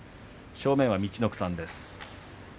正面は陸奥さんです。